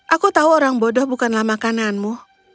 aku tahu orang bodoh bukanlah makananmu